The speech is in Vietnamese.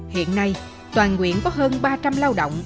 hiện nay toàn quyện có hơn ba trăm linh lao động